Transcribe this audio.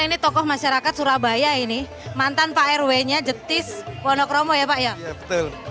ini tokoh masyarakat surabaya ini mantan pak rw nya jetis wonokromo ya pak ya betul